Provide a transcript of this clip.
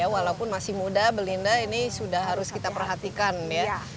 walaupun masih muda belinda ini sudah harus kita perhatikan ya